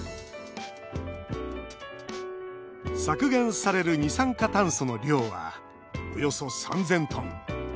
削減される二酸化炭素の量はおよそ３０００トン。